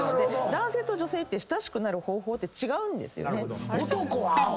男性と女性って親しくなる方法って違うんですよね。